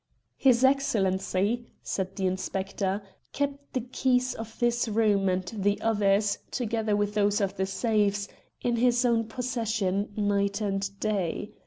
"His Excellency," said the inspector, "kept the keys of this room and the others, together with those of the safes, in his own possession night and day.